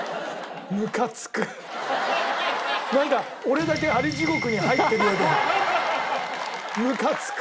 なんか俺だけ蟻地獄に入ってるようでむかつく。